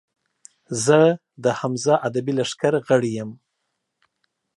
زۀ د حمزه ادبي لښکر غړے یم